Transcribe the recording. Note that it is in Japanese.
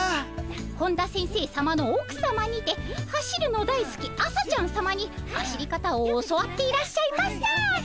本田先生さまの奥さまにて走るのだいすき朝ちゃんさまに走り方を教わっていらっしゃいました。